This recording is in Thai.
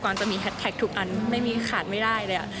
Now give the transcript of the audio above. กวางจะมีแฮชแท็กทุกอันขาดไม่ได้เลยอ่ะ